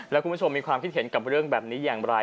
แล้วคุณผู้ชมมีความคิดเห็นกับเรื่องแบบนี้อย่างไร